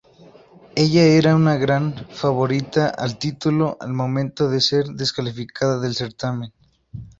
Ella era una gran favorita al título al momento de ser descalificada del certamen.